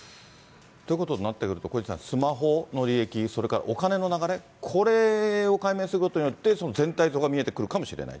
ということになってくると、小西さん、スマホの流れ、それからお金の流れ、これを解明することによって、全体像が見えてくるかもしれないと。